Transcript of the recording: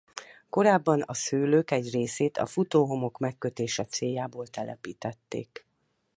Korábban a szőlők egy részét a futóhomok megkötése céljából telepítették.